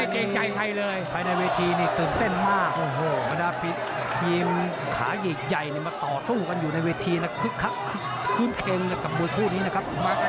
ใครที่เต็มเต้นมากยืมขาใหญ่มาต่อสู้กับกันอยู่ในเวทีนี่คืนเเคยกับมวยผู้นี้นะครับ